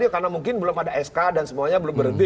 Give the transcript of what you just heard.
karena mungkin belum ada sk dan semuanya belum berhenti